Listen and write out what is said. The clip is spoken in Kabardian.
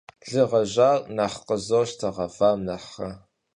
Лы гъэжьар нэхъ къызощтэ гъэвам нэхърэ.